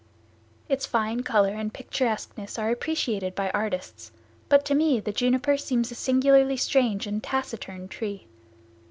Its fine color and picturesqueness are appreciated by artists, but to me the juniper seems a singularly strange and taciturn tree.